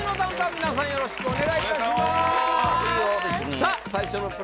皆さんよろしくお願いいたしますいいよ